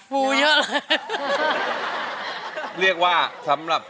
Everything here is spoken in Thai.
เพลงที่๒นะครับ